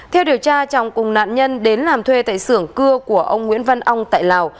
theo điều tra trọng cùng nạn nhân đến làm thuê tại sưởng cưa của ông nguyễn văn ong tại lào